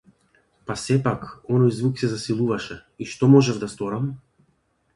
Па сепак, оној звук се засилуваше - и што можев да сторам?